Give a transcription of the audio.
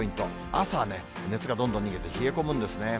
朝ね、熱がどんどん逃げて冷え込むんですね。